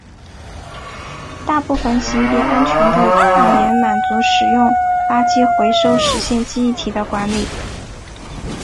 大部分型别安全的语言满足使用垃圾回收实现记忆体的管理。